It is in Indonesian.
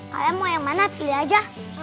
kalau mau yang mana pilih aja